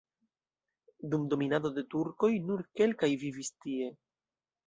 Dum dominado de turkoj nur kelkaj vivis tie.